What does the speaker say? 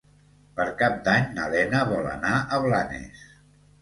Per Cap d'Any na Lena vol anar a Blanes.